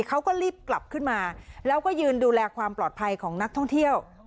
เขาก็รีบกลับขึ้นมาแล้วก็ยืนดูแลความปลอดภัยของนักท่องเที่ยว